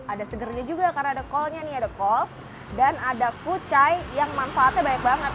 ada segernya juga karena ada kolnya dan ada kucay yang manfaatnya banyak banget